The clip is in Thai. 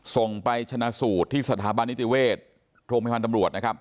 ส่งไปชนะสูตรที่สถาบันอิติเวศโทรมให้พันธ์ตำรวจ